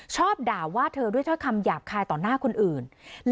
ชอบด่าว่าเธอด้วยถ้อยคำหยาบคายต่อหน้าคนอื่น